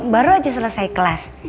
baru aja selesai kelas